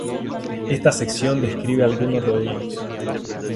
Esta sección describe algunos de ellos.